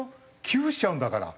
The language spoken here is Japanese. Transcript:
寄付しちゃうんだから。